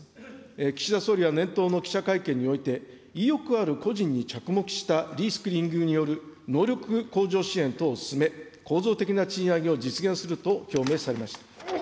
岸田総理は年頭の記者会見において、意欲ある個人に着目したリスキリングによる能力向上支援等を進め、構造的な賃上げを実現すると表明されました。